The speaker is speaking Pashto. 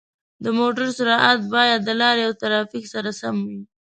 د موټر سرعت باید د لارې او ترافیک سره سم وي.